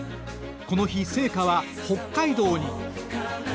この日、聖火は北海道に。